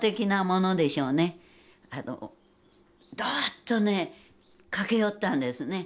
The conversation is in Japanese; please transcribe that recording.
ドッとね駆け寄ったんですね。